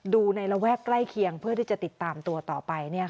ในระแวกใกล้เคียงเพื่อที่จะติดตามตัวต่อไป